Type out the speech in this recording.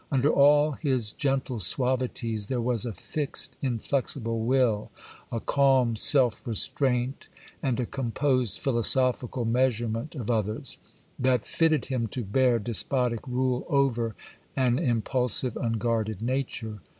Under all his gentle suavities there was a fixed, inflexible will, a calm self restraint, and a composed philosophical measurement of others, that fitted him to bear despotic rule over an impulsive, unguarded nature.